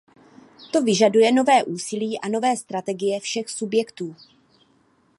To vyžaduje nové úsilí a nové strategie všech subjektů.